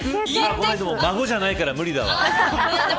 ごめん孫じゃないから無理だわ。